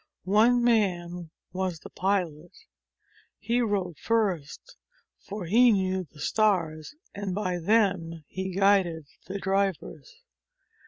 One man was the pilot. He rode first, for he knew the stars, and by them he guided the drivers.